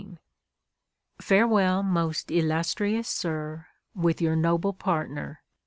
Farewell, most illustrious Sir, with your noble partner.